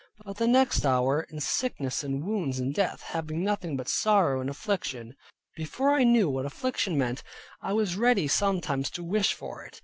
But the next hour in sickness and wounds, and death, having nothing but sorrow and affliction. Before I knew what affliction meant, I was ready sometimes to wish for it.